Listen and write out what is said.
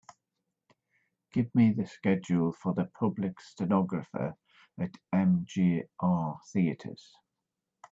Give me the schedule for Public Stenographer at MJR Theatres